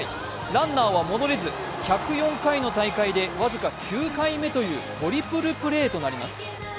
ランナーは戻れず１０４回の大会で僅か９回というトリプルプレーとなります。